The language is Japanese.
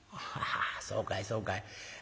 「そうかいそうかい。